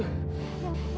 oh iya berarti